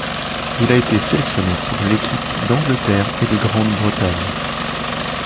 Il a été sélectionné pour l'équipe d'Angleterre et de Grande-Bretagne.